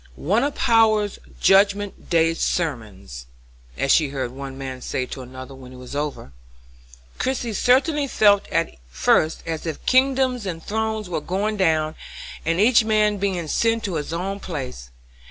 "One of Power's judgment day sermons," as she heard one man say to another, when it was over. Christie certainly felt at first as if kingdoms and thrones were going down, and each man being sent to his own place.